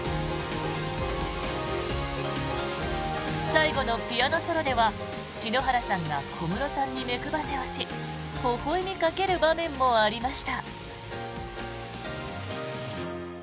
最後のピアノソロでは篠原さんが小室さんに目配せをしほほ笑みかける場面もありました。